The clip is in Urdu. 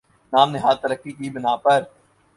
نام نہاد ترقی کی بنا پر